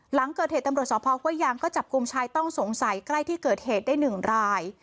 หลังเกิดเหตุตำรวจสภห้วยยางก็จับกลุ่มชายต้องสงสัยใกล้ที่เกิดเหตุได้๑ราย